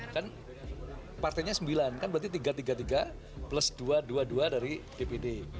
kan partainya sembilan kan berarti tiga tiga plus dua dua dari dpd